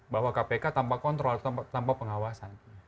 bahwa kpk tanpa kontrol tanpa pengawasan